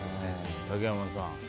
竹山さん。